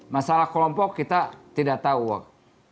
masalah kelompok kita tidak tahu work